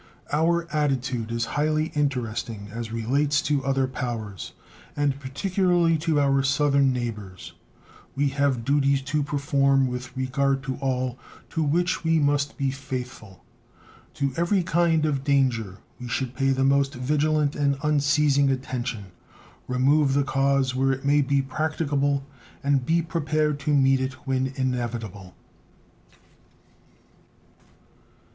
Our attitude is highly interesting as relates to other powers, and particularly to our southern neighbors. We have duties to perform with regard to all to which we must be faithful. To every kind of danger we should pay the most vigilant and unceasing attention, remove the cause where it may be practicable, and be prepared to meet it when inevitable.